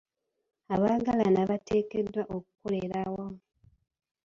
Abaagalana bateekeddwa okukolera awamu.